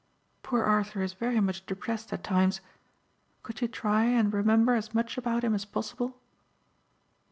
"Poor Arthur is very much depressed at times. Could you try and remember as much about him as possible?"